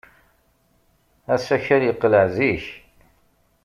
Asakal yeqleɛ zik.